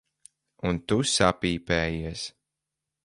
Un tu sapīpējies.